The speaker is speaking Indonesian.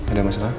ada masalah apa